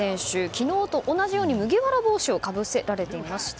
昨日と同じように麦わら帽子をかぶせられていました。